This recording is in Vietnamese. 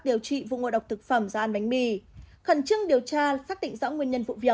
điều trị vụ ngộ độc thực phẩm do ăn bánh mì khẩn trương điều tra xác định rõ nguyên nhân vụ việc